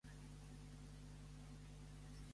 El vint-i-tres de maig en Jan irà a Casinos.